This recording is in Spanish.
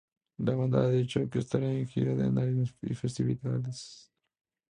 La banda ha dicho que estará de gira en arenas y festivales.